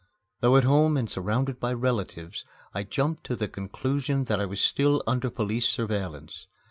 Though at home and surrounded by relatives, I jumped to the conclusion that I was still under police surveillance.